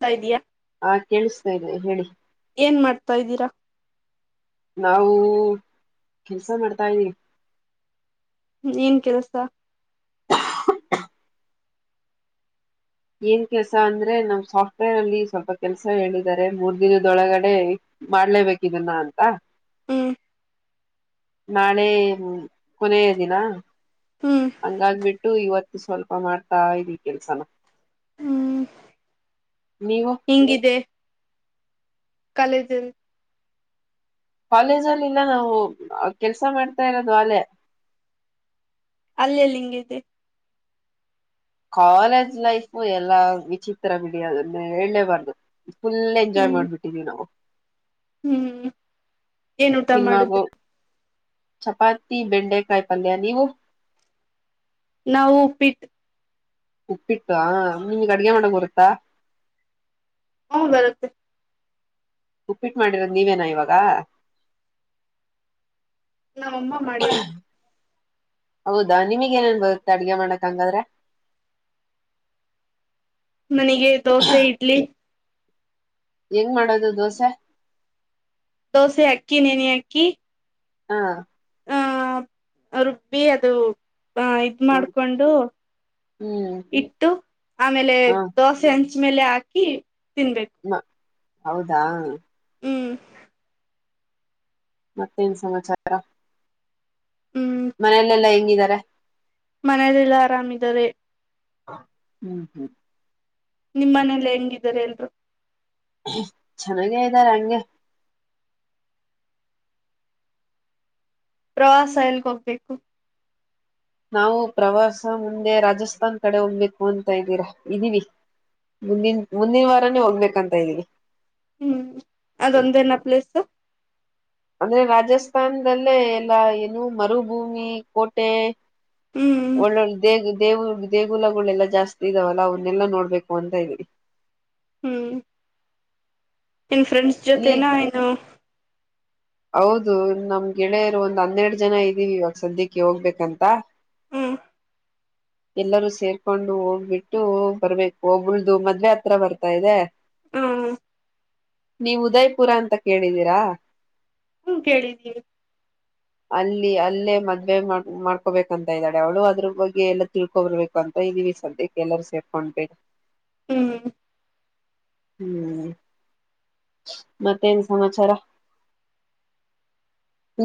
ಸಾ ಇದೆಯಾ ಹಾ ಕೇಳಿಸತಾ ಇದೆ ಹೇಳಿ ಏನ್ ಮಾಡ್ತಾ ಇದ್ದೀರಾ ನಾವು ಕೆಲ್ಸ ಮಾಡ್ತಾ ಇದವಿ ಏನ್ ಕೆಲಸ ಏನ್ ಕೆಲಸ ಅಂದ್ರೆ ನಮ್ ಸಾಫ್ಟ್ವೇರ್ ಅಲ್ಲಿ ಸ್ವಲ್ಪ ಕೆಲಸ ಹೇಳಿದ್ದಾರೆ ಮೂರ್ ದಿನದೊಳಗಡೆ ಮಾಡ್ಲೇಬೇಕ ಇದನ್ನ ಅಂತ ಹ್ಮ್ ನಾಳೆ ಕೊನೆಯ ದಿನ ಹ್ಮ್ ಹಂಗಾಗ್ಬಿಟ್ಟು ಇವತ್ತು ಸ್ವಲ್ಪ ಮಾಡ್ತಾ ಇದಿವಿ ಕೆಲ್ಸನ ಹ್ಮ್ ನೀವು ಹಿಂಗಿದೆ ಕಾಲೇಜಲ್ ಕಾಲೇಜ ಅಲ್ಲಿ ಇನ್ ನಾವು ಕೆಲ್ಸ ಮಾಡ್ತಾ ಇರೋದು ಅಲೆೇ ಅಲ್ಲಲ್ಲಿ ಹಿಂಗಿದೆ ಕಾಲೇಜ್ ಲೈಫು ಎಲ್ಲಾ ವಿಚಿತ್ರ ಬಿಡಿ ಅದನ್ನ ಹೇಳೇಬಾರ್ದು ಫುಲ್ ಎಂಜಾಯ್ ಹ್ಮ್ ಮಾಡ್ ಬಿಟ್ಟಿದ್ದೀ ನಾವು ಹ್ಮ್ ಏನ್ ಊಟ ಮಾಡುದು ಸಿನಿಮಾಗೋ ಚಪಾತಿ ಬೆಂಡೆಕಾಯಿ ಪಲ್ಯ ನೀವು ನಾವು ಉಪ್ಪಿಟ್ಟ ಉಪ್ಪಿಟ್ಟಾ ನಿಮಗ್ ಅಡುಗೆ ಮಾಡಕ್ ಬರುತ್ತಾ ಹ್ಮ್ ಬರುತ್ತೆ ಉಪ್ಪಿಟ್ಟು ಮಾಡಿರೋದು ನೀವೇನ ಇವಾಗ ನಾವ್ ಅಮ್ಮ ಮಾಡಿರೋದು ಹೌದಾ ನಿಮಗ್ ಎನ್ ಬರುತ್ತೆ ಅಡುಗೆ ಮಾಡಕ್ ಹಂಗಾದ್ರೆ ನನಗೆ ದೋಸೆ ಇಡ್ಲಿ ಹೆಂಗ್ ಮಾಡೋದು ದೋಸೆ ದೋಸೆ ಅಕ್ಕಿ ನೀನೀ ಹಾಕ್ಕಿ ಹಾ ರುಬ್ಬಿ ಅದು ಮಾಡ್ಕೊಂಡು ಹ್ಮ್ ಇಟ್ಟು ಆಮೇಲೆ ಹ ದೋಸೆ ಹಚ್ ಹಂಚ ಮೇಲೆ ಹಾಕಿ ತಿನ್ಬೇಕು ಹೌದಾ ಹೂಂ ಮತ್ತೇನ್ ಸಮಾಚಾರ ಹ್ಮ್ ಮನೆಯಲೆೆಲ್ಲಾ ಹೆಂಗಿದ್ದಾರೆ ಮನೆಯಲ್ಲಿಲ್ಲಾ ಆರಾಮಿದ್ದಾರೆ ಹ್ಮ್ ಹ್ಮ್ ನಿಮ್ ಮನೆೇಲ್ಲ ಹೆಂಗಿದ್ದಾರೆ ಎಲ್ರು ಚೆನ್ನಾಗೇ ಇದ್ದಾರೆ ಹಂಗೆ ಪ್ರವಾಸ ಎಲ್ಲಿಗೋಗ್ಬೇಕು ನಾವು ಪ್ರವಾಸ ಮುಂದೆ ರಾಜಸ್ಥಾನ್ ಕಡೆ ಹೊೋಗ್ಬೇಕು ಅಂತ ಇದ್ದೀರಾ ಇದೀವಿ ಮುಂದಿನ ಮುಂದಿನ ವಾರಾನೇ ಹೋಗ್ಬೇಕಂತ ಇದ್ದೀವಿ ಹ್ಮ್ ಅದೊಂದ ನ ಪ್ಲೇಸ್ ಅಂದ್ರೆ ರಾಜಸ್ಥಾನದಲ್ಲೇ ಎಲ್ಲ ಏನು ಮರುಭೂಮಿ ಕೋಟೆ ಹ್ಮ್ ಒಳ್ಳ ಒಳ್ಳ ದೇ ದೇವು ದೇಗುಲಗಳೆಲ್ಲ ಜಾಸ್ತಿ ಇದಾವಲ್ಲ ಅವನ್ನೆಲ್ಲಾ ನೋಡ್ಬೇಕು ಅಂತ ಇದವಿ ಹ್ಮ್ ಇಲ್ ಫ್ರೆಂಡಸ್ ಜೊತೆ ಈ ಹೌದು ನಮ್ ಗೆಳೆಯರು ಒಂದ್ ಹನ್ನೆರಡು ಜನ ಇದ್ದೀವಿ ಇವಾಗ ಸದ್ಯಕ್ಕೆ ಹೋಗ್ಬೇಕಂತ ಹ್ಮ ಎಲ್ಲರೂ ಸೇರ್ಕೊಂಡು ಹೋಗ್ಬಿಟ್ಟು ಬರ್ಬೇಕು ಒಬಳ್ದು ಮದ್ವೆ ಹತ್ರ ಬರ್ತಾ ಇದೆ ಹ್ಮ ಹ ನೀವ್ ಉದಯಪುರ ಅಂತ ಕೇಳಿದೀರಾ ಹ್ಮ್ ಕೇಳಿದ್ದೀರಿ ಅಲ್ಲಿ ಅಲ್ಲೇ ಮದುವವೆ ಮಾಡ ಮಾಡ್ಕೋಬೇಕಂತ ಇದ್ದಾಳೆ ಅವಳು ಅದ್ರ ಬಗ್ಗೆ ಎಲ್ಲ ತಿಳ್ಕೊಬರ್ಬೇಕು ಕಂತ ಇದೀವಿ ಸದ್ಯಕ್ಕೆ ಎಲ್ಲರ ಸೇರ್ಕೊಂಡ್ಬೇಡ್ ಹ್ಮ್ ಹ್ಮ್ ಮತ್ತೇನ್ ಸಮಾಚಾರ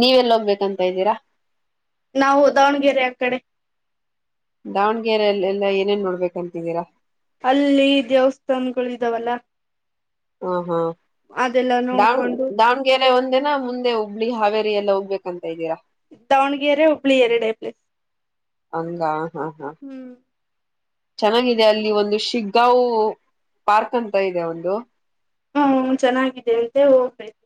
ನೀವೆಲ್ಲ ಹೋಗ ಬೇಕ ಅಂತ ಇದ್ದೀರಾ. ನಾವು ದಾವಣಗೆರೆ ಅಕಡೆ ದಾವಣಗೆರರೆಲ್ಲ ಎಲ್ಲ ಏನೇನ್ ನೋಡ್ಬೇಕಂತಿದ್ದೀರಾ. ಅಲ್ಲಿ ದೇವಸ್ಥಾನಗಳು ಇದ್ದಾವಲ್ಲ. ಹ ಹಾ ಅದೆಲ್ಲಾ ದಾವ್ ನೋಡ್ಕೊಂಡು ದಾವ್ ಬೇರೆ ಒಂದಿನ ಮುಂದೆ ಹುಬ್ಬಳ್ಳಿ ಹಾವೇರಿ ಹೋಗ್ಬೇಕ್ ಅಂತಿದ್ದೀರಾ ದಾವಣಗೆರೆ ಹುಬ್ಳ ಎರಡೈಪ್ಲಿ ಹಂಗ ಹಾ ಹಾ. ಹ್ಮ್ ಚೆನ್ನಾಗಿದೆ ಅಲ್ಲಿ ಒಂದು ಶಿಗ್ಗಾವ್ ಪಾರ್ಕ್ ಅಂತ ಇದೆ ಒಂದು. ಹ್ಮ್ ಚೆನ್ನಾಗಿದೆ ಅಂತೆ ಹೋಗ್ಬೇಕು.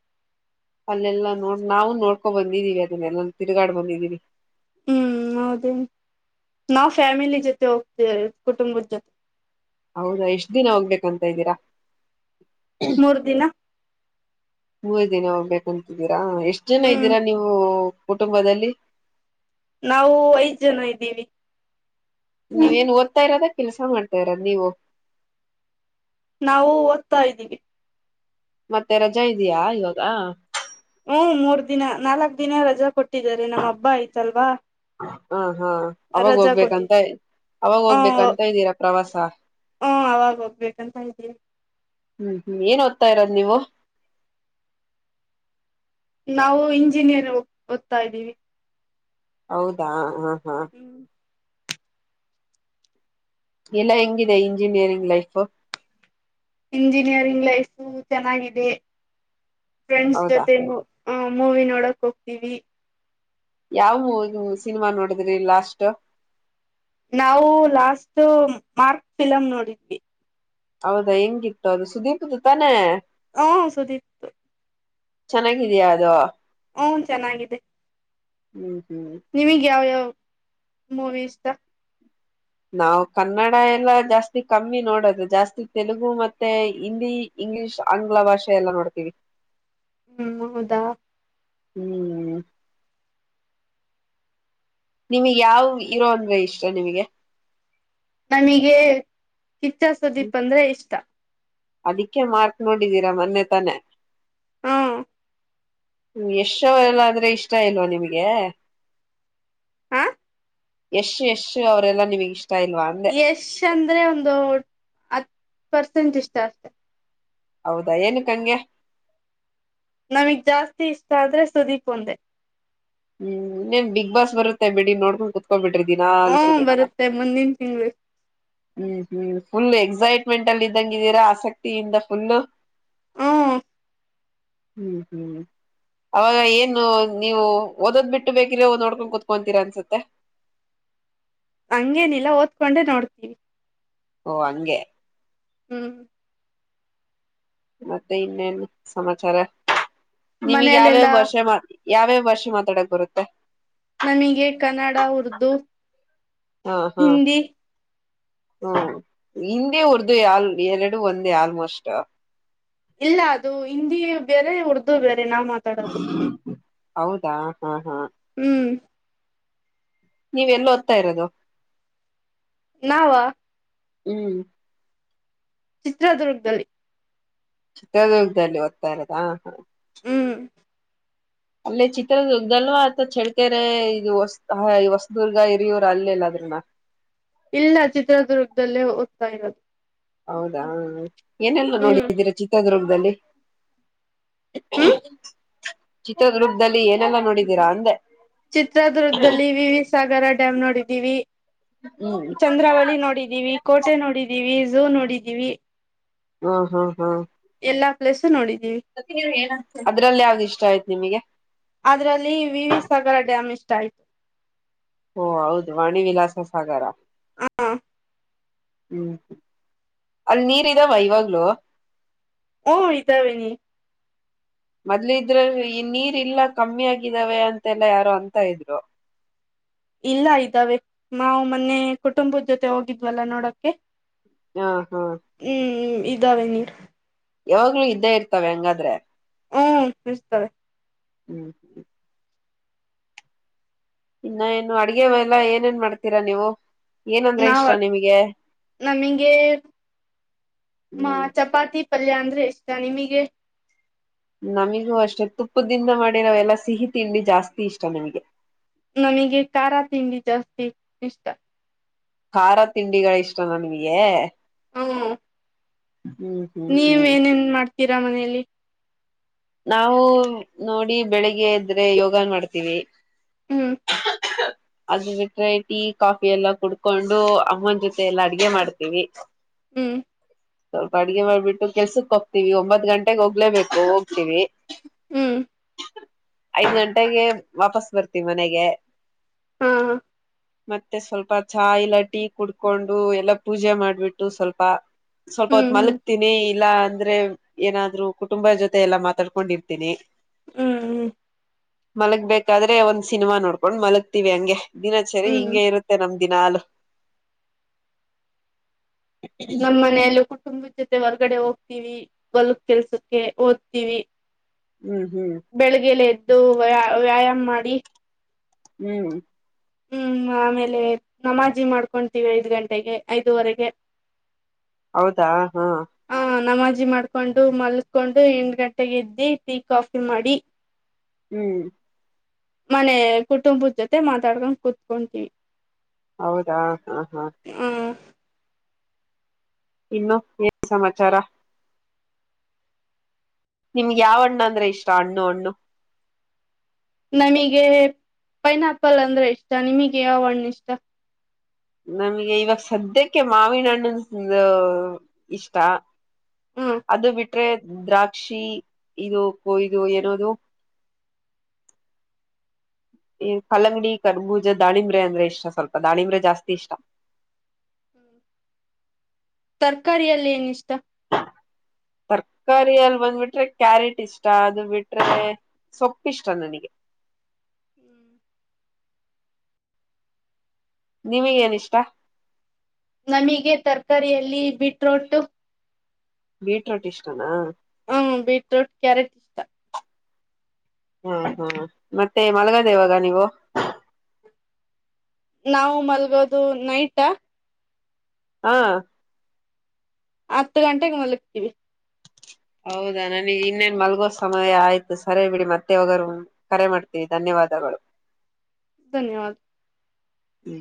ಅಲ್ಲೆಲ್ಲಾ ನೋಡ್ ನಾವು ನೋಡ್ಕೊ ಬಂದಿದೀವಿ ಅದನ್ನೆಲ್ಲ ತಿರುಗಾಡ್ ಬಂದಿದ್ದೀವಿ. ಹ್ಮ್ ಹೌದೇ ನಾವ್ ಫ್ಯಾಮಿಲಿ ಜೊತೆ ಹೋಗ್ತೇವೆ ಕುಟುಂಬದ ಜೊತೆ. ಹೌದಾ ಎಷ್ಟ ದಿನ ಹೋಗ್ಬೇಕಂತ ಇದ್ದೀರಾ. ಮೂರ್ ದಿನ. ಮೂರ ದಿನ ಹೋಗ್ಬೇಕಂತಿದ್ದೀರಾ ಎಷ್ಟ್ ಜನ ಹ್ಮ್ ಇದ್ದೀರಾ ನೀವು ಕುಟುಂಬದಲ್ಲಿ ನಾವು ಐದ್ ಜನ ಇದ್ದೀವಿ. ನೀವಏನ್ ಓದ್ತಾ ಇರೋದ ಕೆಲ್ಸ ಮಾಡ್ತಾ ಇರೋದು ನೀವು. ನಾವು ಓದ್ತಾ ಇದ್ದೀವಿ. ಮತ್ತೆ ರಜಾ ಇದಿಯಾ ಇವಾಗ ಹ್ಮ ಮೂರ್ ದಿನ ನಾಲ್ಕ್ ದಿನ ರಜಾ ಕೊಟ್ಟಿದಿದ್ದಾರೆ ನಮ್ಮ ಹಬ್ಬ ಆಯ್ತಲ್ವಾ ಹಾ ಹಾ ಅವಾಗ ರಜಾ ಹೋಗ್ಬೇಕಂತ ಕೊಟ್ಟಿದ್ದಾರೆ ಅವಾಗ ಹೋಗ್ಬೇಕಂತ ಇದ್ದೀರಾ ಪ್ರವಾಸ ಹ್ಮ ಅವಾಗ ಹೋಗ್ಬೇಕಂತ ಇದ್ದೀನಿ ಹ್ಮ್ ಹ್ಮ್ ಏನ್ ಓದ್ತಾ ಇರೋದು ನೀವು ನಾವು ಇಂಜಿನಿಯರ್ ಓದ್ತಾ ಇದ್ದೀವಿ ಹೌದಾ ಹಾ ಹಾ [inaudible] ಎಲ್ಲಾ ಹೆಂಗಿದೆ ಇಂಜಿನಿಯರಿಂಗ್ ಲೈಫ್. ಇಂಜಿನಿಯರಿಂಗ್ ಲೈಫು ಚೆನ್ನಾಗಿದೆ ಫ್ರೆಂಡ್ಸ್ ಹೌದಾ ಜೊತೆ ಆ ಮೂವಿ ನೋಡಕ್ ಹೋಗ್ತೀವಿ. ಯಾವ ಸಿನಿಮಾ ನೋಡಿದ್ರಿ ಲಾಸ್ಟ್. ನಾವು ಲಾಸ್ಟ್ ಮಾರ್ಕ್ ಫಿಲಮ್ ನೋಡಿದ್ವಿ. ಹೌದಾ ಹೆಂಗಿತ್ತು ಅದು ಸುದೀಪ್ದು ತಾನೇ. ಹ ಸುದೀಪ್ ಚೆನ್ನಾಗಿದ್ಯಾ ಅದು ಹೂ ಚೆನ್ನಾಗಿದೆ ಹ್ಮ್ ಹ್ಮ್ ನಿಮಗೆ ಯಾವ ಯಾವ ಮೂವಿ ಇಷ್ಟ ನಾವವು ಕನ್ನಡ ಎಲ್ಲಾ ಜಾಸ್ತಿ ಕಮ್ಮಿ ನೋಡೋದು ಜಾಸ್ತಿ ತೆಲುಗು ಮತ್ತೆ ಹಿಂದಿ ಇಂಗ್ಲಿಷ್ ಆಂಗ್ಲ ಭಾಷೆ ಎಲ್ಲಾ ನೋಡ್ತೀವಿ ಹ್ಮ್ ಹೌದಾ ಹ್ಮ್ ನಿಮಗೆ ಯಾವ ಇರೋ ಅಂದ್ರೆ ಇಷ್ಟ ನಿಮಗೆ ನಮಗೆ ಕಿಚ್ಚ ಸುದೀಪ್ ಅಂದ್ರೆ ಇಷ್ಟ ಅದಿಕ್ಕೆ ಮಾರ್ತ್ ನೋಡಿದೀರಾ ಮೊನ್ನೆ ತಾನೆ ಹ್ಮ ಯಶ್ ಅವರೆಲ್ಲ ಆದ್ರೆ ಇಷ್ಟ ಇಲ್ವಾ ನಿಮ್ಗೆ ಹ ಯಶ್ ಯಶ್ ಅವರೆಲ್ಲಾ ನಿಮಗೆ ಇಷ್ ಯಶ್ ಅಂದ್ರೆ ಒಂದು ಹತ್ತು ಪರ್ಸೆಂಟ್ ಇಷ್ಟ ಅಷ್ಟೆ ಹೌದಾ ಏನಕ್ಕಂಗೆ ನಮಗ್ ಜಾಸ್ತಿ ಇಷ್ಟ ಆದಂದ್ರೆ ಸುದೀಪ್ ಒಂದೇ ಹ್ಮ್ ನೀನ್ ಬಿಗ್ ಬಾಸ್ ಬರುತ್ತೆ ಬಿಡಿ ನೋಡ್ಕೊಂಡು ಕುತ್ಕೊಬ ಬಿಡ್ರಿ ದಿನಾ ಅಲ್ ಸುದೀಪ್ ಮ ಮುಂದ ನಿನ್ ತಿಂಗ್ ಹ್ಮ್ ಹ್ಮ್ ಫುಲ್ ಎಕ್ಸೈಟ್ಮೆಂಟ್ ಅಲ್ಲಿ ಇದಂಗಿದ್ದೀರಾ ಆಸಕ್ತಿಯಿಂದ ಫುಲ್ ಹ್ಮ ಹ್ಮ್ ಹ್ಮ್ ಅವಾಗ ಏನು ನೀವು ಓದದ್ ಬಿಟ್ಟು ಬೇಕಿರೋ ನೋಡ್ಕೊಂಡು ಕುೂತ್ಕೊಂತೀರಾ ಅನ್ಸತ್ತೆ ಹಂಗೇನಿಲ್ಲ ಓದ್ಕೊಂಡೆ ನೋಡ್ತೀವಿ ಓ ಹಂಗೆ ಹ್ಮ್ ಮತ್ತೆ ಇನ್ನೇನ್ ಸಮಾಚಾರ ನಿಮಗ್ ಯಾವ್ಯಾವ ಮನೆಯಲೆಲ್ಲಾ ವರ್ಷೆ ಮಾ ಯಾವ್ಯಾವ ಭಾಷೆ ಮಾತಾಡಕ್ ಬರುತ್ತೆ ನಮಗೆ ಕನ್ನಡ ಉರ್ದು ಹಾ ಹಾ ಹಿಂದಿ ಹ್ಮ ಹಿಂದಿ ಉರ್ದು ಯಾಲ್ ಎರಡು ಒಂದೇ ಆಲ್ಮೋಸ್ಟ್ ಇಲ್ಲ ಅದು ಹಿಂದಿ ಬೇರೆ ಉರ್ದು ಬೇರೆ ನಾವ್ ಮಾತ್ರ ಹೌದಾ ಹಾ ಹಾ ಹ್ಮ್ ನೀವ ಎಲ್ಲ ಓದ್ತ ಇರೋದು ನಾವ ಹ್ಮ್ ಚಿತ್ರದುರ್ಗದಲ್ಲಿ ಚಿತ್ರದುರ್ಗದಲ್ಲಿ ಓದ್ತಾ ಇರೋದ ಹಾ ಹ್ಮ್ ಅಲ್ಲೇ ಚಿತ್ರದುರ್ಗ ಅಲ್ವಾ ಅಥ ಚಳ್ಕೆರೆ ಇದು ಹೊ ಈ ಹೊಸದುರ್ಗ ಹಿರಿಯೂರು ಅಲ್ಲೆಲ್ಲ ಅದ್ರನ ಇಲ್ಲ ಚಿತ್ರದುರ್ಗದಲ್ಲೇ ಓದ್ತಾ ಇರೋದು ಹೌದಾ ಏನೆಲ್ಲ ಹ್ಮ್ ನೋಡಿದ್ದೀರಾ ಚಿತ್ರದುರ್ಗದಲ್ಲಿ. ಹ್ಮ್ ಚಿತ್ರದುರ್ಗದಲ್ಲಿ ಏನೆಲ್ಲಾ ನೋಡಿದೀರಾ ಅಂದೆ. ಚಿತ್ರದುರ್ಗದಲ್ಲಿ ವಿವಿ ಸಾಗರ ಡ್ಯಾಮ್ ನೋಡಿದೀವಿ ಹ್ಮ್ ಚಂದ್ರಾವಳಿ ನೋಡಿದೀವಿ ಕೋಟೆ ನೋಡಿದೀವಿ ಝೂ ನೋಡಿದ್ದೀವಿ ಹ್ಮ ಹಾ ಹಾ ಎಲ್ಲಾ ಪ್ಲೇಸ ನೋಡಿದೀವಿ ಅದ್ರಲ್ಲಿ ಯಾವ್ದ್ ಇಷ್ಟ ಆಯ್ತು ನಿಮಗೆ ಅದ್ರಲ್ಲಿ ವಿ ವಿ ಸಾಗರ ಡ್ಯಾಮ್ ಇಷ್ಟ್ ಆಯ್ತು ಓ ಹೌದು ವಾಣಿ ವಿಲಾಸ ಸಾಗರ. ಹಾ ಹ್ಮ್ ಅಲ್ ನೀರ್ ಇದಾವ ಇವಾಗ ಓ ಇತ ವೈನಿ ಮೊದ್ಲ ಇದ್ರ ಈ ನೀರ್ ಇಲ್ಲ ಕಮ್ಮಿ ಆಗಿದಾವೆ ಅಂತೆಲ್ಲ ಯಾರು ಅಂತ ಇದ್ರು. ಇಲ್ಲ ಇದ್ದಾವೆ ಮಾವು ಮೊನ್ನೆ ಕುಟುಂಬದ ಜೊತೆ ಹೋಗಿದ್ವಲ್ಲ ನೋಡಕ್ಕೆ. ಹಾ ಹಾ ಹ್ಮ್ ಇದಾವೆ ನೀರು. ಯಾವಾಗ್ಲು ಇದ್ದೇ ಇರ್ತಾವೆ ಹಂಗಾದ್ರೆ. ಹ್ಮ್ ಬಿಸ್ತಳೆ ಹ್ಮ್ ಇನ್ನ ಏನು ಅಡ್ಗೆ ಎಲ್ಲ ಏನೇನ್ ಮಾಡ್ತೀರಾ ನೀವು ಏನಂದ್ರೆ ನಾವ ಇಷ್ಟ ನಿಮ್ಗೆ. ನಮಗೆ ಮ ಹ್ಮ್ ಚಪಾತಿ ಪಲ್ಯ ಅಂದ್ರೆ ಇಷ್ಟ ನಿಮಗೆ. ನಮಿಗೂ ಅಷ್ಟೇ ತುಪ್ಪದಿಂದ ಮಾಡಿರೂ ಎಲ್ಲಾ ಸಿಹಿ ತಿಂಡಿ ಜಾಸ್ತಿ ಇಷ್ಟ ನಮಗೆ. ನಮಗೆ ಖಾರ ತಿಂಡಿ ಜಾಸ್ತಿ ಇಷ್ಟ. ಖಾರ ತಿಂಡಿಗಳ ಇಷ್ಟ ನನ್ಗೆ ಹ್ಮ ಹ್ಮ್ ಹ್ಮ್ ನೀವ ಹ್ಮ್ ಏನೇನ್ ಮಾಡ್ತೀರಾ ಮನೆಯಲ್ಲಿ ನಾವು ನೋಡಿ ಬೆಳಿಗ್ಗೆ ಇದ್ರೆ ಯೋಗನ್ ಮಾಡ್ತೀವಿ ಹ್ಮ್ ಹ್ಹ ಹ್ಹ ಅದ ಬಿಟರೆ ಟೀ ಕಾಫಿ ಎಲ್ಲ ಕುಡ್ಕೊಂಡು ಅಮ್ಮನ ಜೊತೆ ಎಲ್ಲಾ ಅಡ್ಗೆ ಮಾಡ್ತೀವಿ ಹ್ಮ್ ಸ್ವಲ್ಪ ಅಡ್ಗೆ ಮಾಡ್ಬಿಟ್ಟು ಕೆಲ್ಸಕ್ ಹೋಗ್ತಿವಿ ಒಂಬತ್ ಗಂಟೆಗೆ ಹೋಗ್ಲೇಬೇಕು ಹೋಗ್ತೀವಿ ಹ್ಮ್ ಐದ್ ಗಂಟೆಗೆ ವಾಪಸ್ ಬರ್ತೀವಿ ಮನೆಗೆ ಹಾ ಹಾ ಮತ್ತೆ ಸ್ವಲ್ಪ ಚಾ ಇಲ್ಲ ಟೀ ಕುಡ್ಕೊಂಡು ಎಲ್ಲಾ ಪೂಜೆ ಮಾಡ್ಬಿಟ್ಟು ಸ್ವಲ್ಪ ಸ್ವಲ್ಪ ಹ್ಮ್ ಹೊತ್ ಹ್ಮ್ ಮಲಕ್ತೀನಿ ಇಲ್ಲಾ ಅಂದ್ರೆ ಏನಾದ್ರು ಕುಟುಂಬ ಜೊತೆ ಮ ಎಲ್ಲಾ ಮಾತಾಡ್ಕೊಂಡಿರ್ತೀನಿ ಹ್ಮ್ ಹ್ಮ್ ಮಲಗ್ಬೇಕಾದ್ರೆ ಒಂದ್ ಸಿನಿಮಾ ನೋಡ್ಕೊಂಡ್ ಮಲಗ್ತಿೀವಿ ಹಂಗೆ ದಿನಚರಿ ಹ್ಮ್ ಹಿಂಗಗೆ ಇರುತ್ತೆ ನಮ ದಿನ ಹಾಲು ನಮ್ಮ್ ಮನೆಯಲ್ಲ ಕುಟುಂಬದ ಜೊತೆ ಹೊರ್ಗಡೆ ಹೋಗ್ತಿೀವಿ ಗಲಕ್ ಕೆಲ್ಸಕ್ಕೆ ಓದ್ತಿೀವಿ ಹ್ಮ್ ಹ್ಮ್ ಬೆಳಗ್ಗೆಲೆ ಎದ್ದು ವ ವ್ಯಾಯಾಮ್ ಮಾಡಿ ಹ್ಮ್ ಹ್ಮ್ ಆಮೇಲೆ ನಮಾಜಿ ಮಾಡ್ಕೊತೀವಿ ಐದ್ ಗಂಟೆಗೆ ಐದುವರೆಗೆ [inaudible] ಹೌದಾ ಹಾ ಹ ನಮಾಜಿ ಮಾಡ್ಕೊಂಡು ಮಲ್ಕೊಂಡು ಎ್ ಗಂಟೆಗೆ ಎದ್ದಿ ಟೀ ಕಾಫಿ ಮಾಡಿ [inaudible] ಹ್ಮ್ ಮನೆ ಕುಟುಂಬದ ಜೊತೆ ಮಾತಾಡ್ಕೊಂಡು ಕುೂತ್ಕೊಂತೀವಿ ಹೌದಾ ಹಾ ಹಾ ಹ್ಮ್ ಇನ್ನು ಏನ್ ಸಮಾಚಾರ ನಿಮ್ಗೆ ಯಾವ ಹಣ್ಣ ಅಂದ್ರೆ ಇಷ್ಟ ಹಣ್ಣು ಹಣ್ಣು ನಮಗೆ ಪೈನಾ ಆಪಲ್ ಅಂದ್ರೆ ಇಷ್ಟ ನಿಮಗೆ ಯಾವ ಹಣ್ಣ ಇಷ್ಟ ನಮ್ಗೆ ಇವಾಗ ಸದ್ಯಕ್ಕೆ ಮಾವಿನ ಹಣ್ಣ ಇಷ್ಟ ಹ್ಮ ಅದು ಬಿಟ್ರೆ ದ್ರಾಕ್ಷಿ ಇದು ಕೊಯು ಏನದು ಈ ಕಲ್ಲಂಗಡಿ ಕರ್ಬೂಜ ದಾಿಂಬ್ರೆ ಅಂದ್ರೆ ಇಷ್ಟ ಸ್ವಲ್ಪ ದಾಾಣಿಂಬ್ರೆ ಜಾಸ್ತಿ ಇಷ್ಟ ಹ್ಮ ತರಕಾರಿಯಲ್ಲಿ ಏನಿಷ್ಟ ತರ್ಕಾರಿಯಲ್ಲಿ ಬಂದ್ಬಿಟ್ರೆ ಕ್ಯಾರೆಟ್ ಇಷ್ಟ ಅದು ಬಿಟ್ರೆ ಸೊಪ್ಪುಿಷ್ಟ ನನಗೆ ಹ್ಮ್ ನಿಮಗ್ ಏನ ಇಷ್ಟ ನಮಗೆ ತರಕಾರಿಯಲ್ಲಿ ಬಿೀಟ್ರೋಟ್ ಬೀಟ್ರೋಟ್ ಇಷ್ಟನಾ ಹ್ಮ ಬೀಟ್ರೂಟ್ ಕ್ಯಾರೆಟ್ ಇಷ್ಟ ಹಾ ಹಾ ಮತ್ತೆ ಮಲಗಾದೇವಾಗ ನೀವು ನಾವು ಮಲ್ಗೋದು ನೈಟ ಹಾ ಹತ್ತು ಗಂಟೆಗೆ ಮಲಕ್ಕೀವಿ ಹೌದಾ ನನಗ್ ಇನ್ನೇನ್ ಮಲ್ಗೋ ಸಮಯ ಆಯ್ತು ಸರಿ ಬಿಡಿ ಮತ್ತೆ ಒೋಗರು ಕರೆ ಮಾಡ್ತೀವಿ ಧನ್ಯವಾದಗಳು ಧನ್ಯವಾದ ಹ್ಮ್